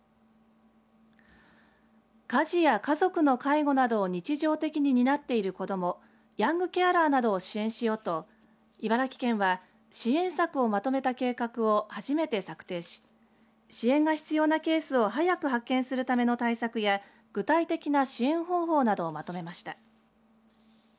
家事や家族の介護などを日常的に担っている子どもヤングケアラーなどを支援しようと茨城県は支援策をまとめた計画を初めて策定し支援が必要なケースを早く発見するための対策や具体的な支援方法などをまとめました。